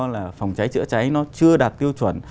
là phòng cháy chữa cháy nó chưa đạt tiêu chuẩn